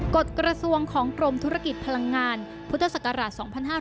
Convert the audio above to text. กฎกระทรวงของกรมธุรกิจพลังงานพุทธศักราช๒๕๕๙